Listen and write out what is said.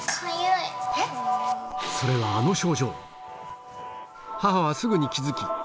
それはあの症状母はすぐに気付き